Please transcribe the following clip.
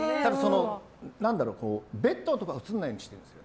ベッドのところは映らないようにしてるんですよ。